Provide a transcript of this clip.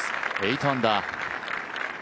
８アンダー。